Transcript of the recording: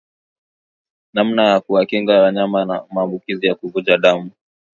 Namna ya kuwakinga wanyama na maambukuzi ya kuvuja damu